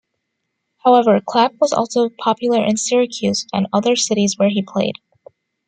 However, Clapp was also popular in Syracuse and other cities where he played.